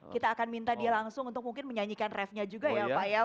kita akan minta dia langsung untuk mungkin menyanyikan refnya juga ya pak ya